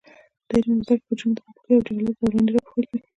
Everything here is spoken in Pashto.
د عـلم او زده کـړې پـه جـرم د نـاپـوهـۍ او جـهالـت زولـنې راپښـو کـړي .